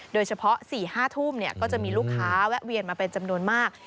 โดยเฉพาะ๔๕ทุ่มก็จะมีลูกค้าแวะเวียนมาเป็นจำนวนมาก